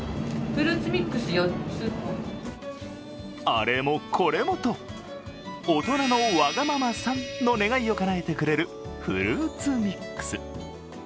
あれもこれもと、大人のわがままさんの願いをかなえてくれるフルーツミックス。